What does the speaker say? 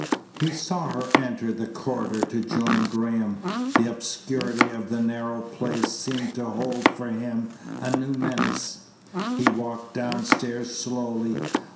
He saw her enter the corridor to join Graham. The obscurity of the narrow place seemed to hold for him a new menace. He walked downstairs slowly.